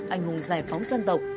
anh hùng giải phóng dân tộc